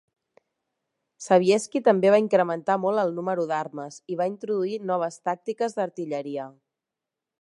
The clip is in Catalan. Sobieski també va incrementar molt el número de armes i va introduir noves tàctiques d'artilleria.